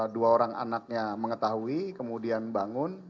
dua orang anaknya mengetahui kemudian bangun